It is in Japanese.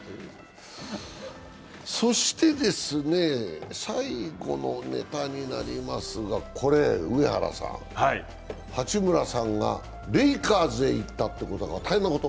そして最後のネタになりますが、これ、上原さん、八村さんがレイカーズへ行ったというのは大変なこと？